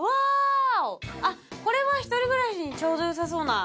あっこれは１人暮らしにちょうどよさそうな。